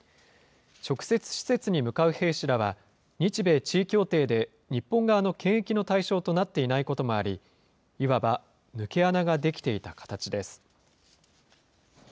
直接、施設に向かう兵士らは、日米地位協定で日本側の検疫の対象となっていないこともあり、いわば、抜け穴が出来ていた形です。